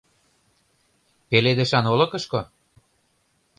Пеледышан олыкышко?